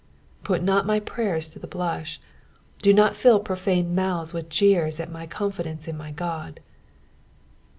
Put not my prayers to the blush ! Do not fill profane mouths with jeeie at my confidence in my Ood.